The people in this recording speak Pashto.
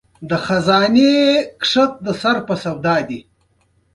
جلګه د افغانستان د اقتصاد برخه ده.